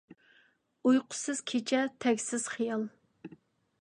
ئۇيقۇسىز كېچە تەگسىز خىيال!